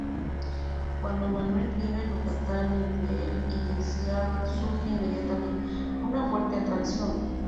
Cuando Manuel llega a Yucatán, entre el y Deseada surge inmediatamente una fuerte atracción.